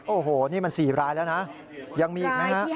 โอ้โหนี่มัน๔รายแล้วนะยังมีอีกไหมฮะ